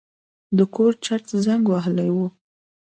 د کور چت زنګ وهلی و.